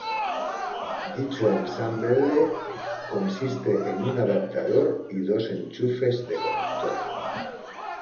Dicho ensamble consiste en un adaptador y dos enchufes de conector.